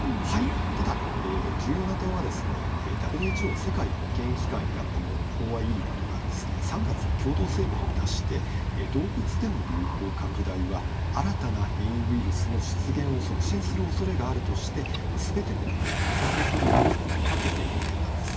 ただ重要な点はですねＷＨＯ＝世界保健機関やこの、ＯＩＥなどが３月に共同声明を出して動物での流行拡大は新たな変異ウイルスの出現を促進するおそれがあるとしてすべての国に対策を取るよう呼びかけている点なんです。